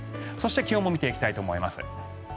そして気温も見ていきたいと思います。